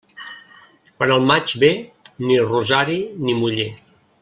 Quan el maig ve, ni rosari ni muller.